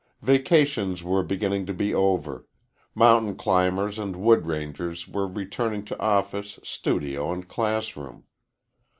Vacations were beginning to be over mountain climbers and wood rangers were returning to office, studio and classroom.